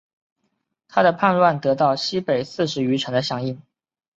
他的叛乱得到西北四十余城的响应。